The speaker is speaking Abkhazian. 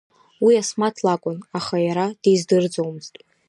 Уи Асмаҭ лакәын, аха иара диздырӡомызт.